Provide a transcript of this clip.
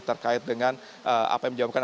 terkait dengan apa yang dilakukan